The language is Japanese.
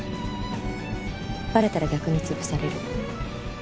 バレたら逆に潰される。